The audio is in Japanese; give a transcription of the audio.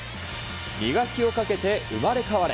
磨きをかけて生まれ変われ！